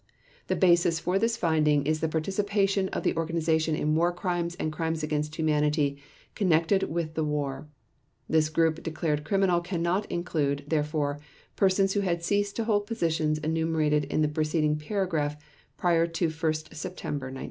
The basis for this finding is the participation of the organization in War Crimes and Crimes against Humanity connected with the war; this group declared criminal cannot include, therefore, persons who had ceased to hold the positions enumerated in the preceding paragraph prior to 1 September 1939.